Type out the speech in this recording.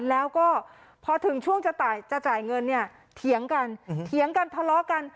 แล้วก็พอถึงช่วงจะจ่ายเงินเนี่ยเถียงกันเถียงกันทะเลาะกัน